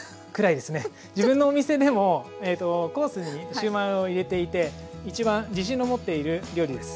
自分のお店でもコースにシューマイを入れていて一番自信の持っている料理です。